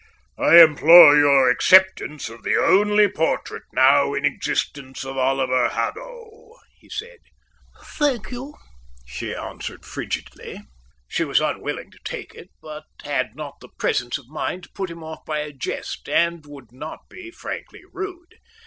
"I implore your acceptance of the only portrait now in existence of Oliver Haddo," he said. "Thank you," she answered frigidly. She was unwilling to take it, but had not the presence of mind to put him off by a jest, and would not be frankly rude.